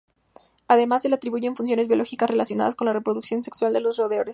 Además se le atribuyen funciones biológicas relacionadas con la reproducción sexual de los roedores.